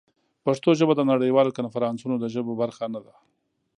پښتو ژبه د نړیوالو کنفرانسونو د ژبو برخه نه ده.